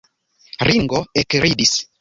Ringo ekridis.